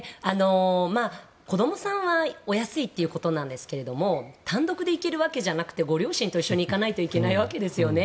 子どもさんはお安いということなんですけれど単独で行けるわけじゃなくてご両親と一緒に行かないといけないわけですよね。